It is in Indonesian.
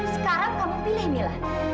sekarang kamu pilih mila